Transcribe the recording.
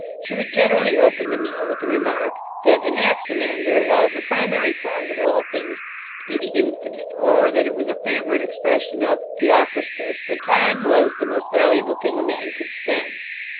She would generally open the meal with the remark that Anaximander held the primary cause of all things to be the Infinite, or that it was a favourite expression of Theophrastus that time was the most valuable thing a man could spend.